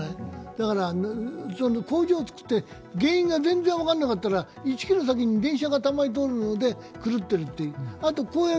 工場をつくって、原因が全然分からなかったら、１ｋｍ先に電車が走ると揺れるので狂っているという。